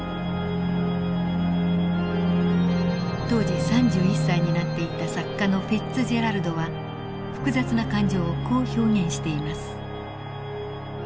当時３１歳になっていた作家のフィッツジェラルドは複雑な感情をこう表現しています。